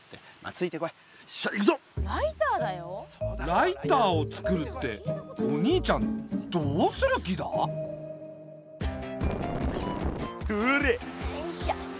ライターをつくるってお兄ちゃんどうする気だ？ほら！よいしょ。